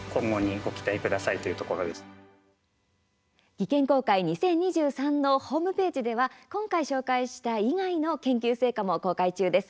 技研公開２０２３のホームページでは今回ご紹介した以外の研究成果も公開中です。